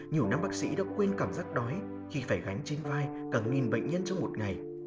nhiều năm bác sĩ đã quên cảm giác đói khi phải gánh trên vai cả nghìn bệnh nhân trong một ngày